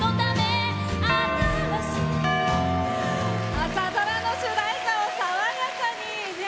朝ドラの主題歌を爽やかに。